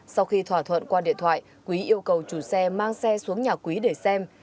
sau khi thỏa thuận qua điện thoại quý yêu cầu chủ xe mang xe xuống nhà quý để xem